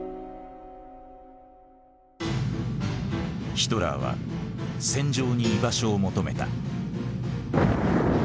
ヒトラーは戦場に居場所を求めた。